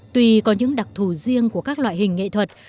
tùy có những đặc thù riêng của các loại hình nghệ thuật